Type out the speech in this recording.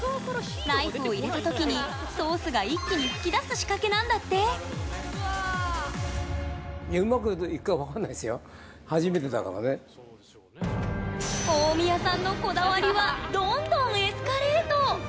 ナイフを入れた時にソースが一気に噴き出す仕掛けなんだって大宮さんのこだわりはどんどんエスカレート！